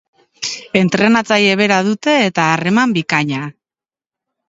Entrenatzaile bera dute eta harreman bikaina.